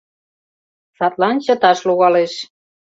Садлан чыташ логалеш.